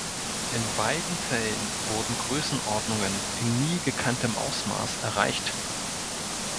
In beiden Fällen wurden Größenordnungen in nie gekanntem Ausmaß erreicht.